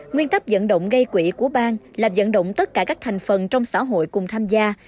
nguyên tắc dẫn động gây quỹ của bang là dẫn động tất cả các thành phần trong xã hội cùng tham gia